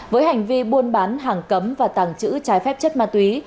với hành vi buôn bán hàng cấm và tàng trữ trái phép chất ma túy